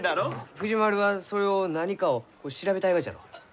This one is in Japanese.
藤丸はそれを何かを調べたいがじゃろう？